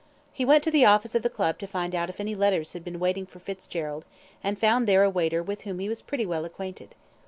He went to the office of the Club to find out if any letters had been waiting for Fitzgerald, and found there a waiter with whom he was pretty well acquainted.